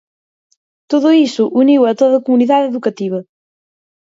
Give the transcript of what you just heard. Todo iso uniu a toda a comunidade educativa.